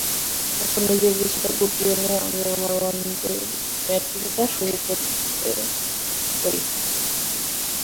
তখন নিজেকে কিছুটা গুটিয়ে এনে আমি আমার ওয়ানডের ব্যাটিংটা করতে শুরু করি।